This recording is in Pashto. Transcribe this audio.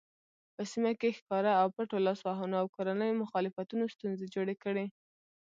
په سیمه کې ښکاره او پټو لاسوهنو او کورنیو مخالفتونو ستونزې جوړې کړې.